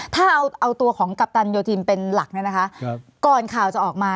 ถ้าเอาตัวของกัปตันโยธินเป็นหลักเนี่ยนะคะก่อนข่าวจะออกมา